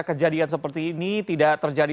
kejadian seperti ini tidak terjadi